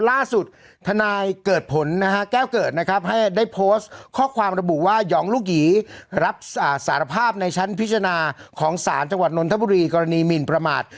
ล่าสุดธนายเกิดผลนะฮะแก้วเกิดนะครับให้ได้โพสต์ข้อความระบุว่าหยองลูกหยีรับสารภาพในชั้นพิจารณาของศาลจังหวัดนนทบุรีกรณีหมินประมาท